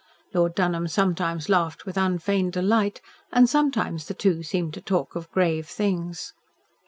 Lord Dunholm sometimes laughed with unfeigned delight, and sometimes the two seemed to talk of grave things.